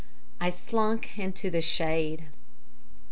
I slunk into the shade.